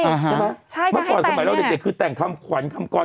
ใช่ไหมใช่เมื่อก่อนสมัยเราเด็กคือแต่งคำขวัญคำกร